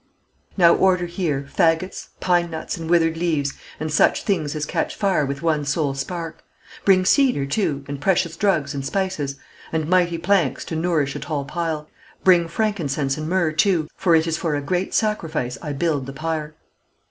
'Now order here Fagots, pine nuts, and wither'd leaves, and such Things as catch fire with one sole spark; Bring cedar, too, and precious drugs, and spices, And mighty planks, to nourish a tall pile; Bring frankincense and myrrh, too; for it is For a great sacrifice I build the pyre.'